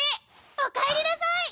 おかえりなさい。